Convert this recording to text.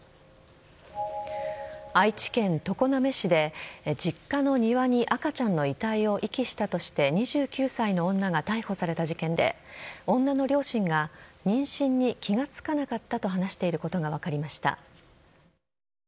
愛知県常滑市で実家の庭に赤ちゃんの遺体を遺棄したとして２９歳の女が逮捕された事件で女の両親が妊娠に気が付かなかったと話していることが分かりました。